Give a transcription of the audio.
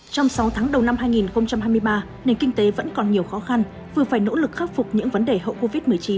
trong sáu tháng đầu năm hai nghìn hai mươi ba nền kinh tế vẫn còn nhiều khó khăn vừa phải nỗ lực khắc phục những vấn đề hậu covid một mươi chín